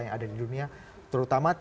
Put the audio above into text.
yang ada di dunia terutama